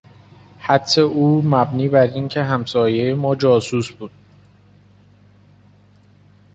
حدس او مبنی بر اینکه همسایهی ما جاسوس بود